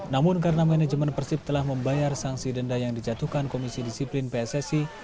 namun karena manajemen persib telah membayar sanksi denda yang dijatuhkan komisi disiplin pssi